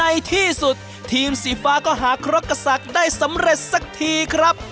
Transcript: ในที่สุดทีมสีฟ้าก็หาครกกษักได้สำเร็จสักทีครับ